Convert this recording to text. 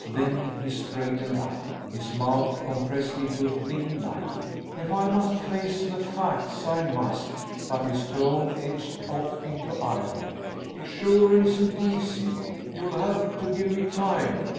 Then, he straightened up. His mouth compressed into a thin line. "If I must face the facts, I must. But," his tone edged off into irony, "it sure isn't easy. You'll have to give me time."